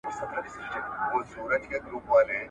د غره په څوکه کې ورېځې ډېرې نږدې ښکارېدې.